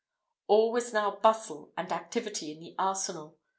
All was now bustle and activity in the arsenal.